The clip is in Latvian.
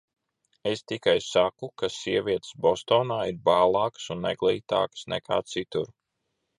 Es tikai saku, ka sievietes Bostonā ir bālākas un neglītākas nekā citur.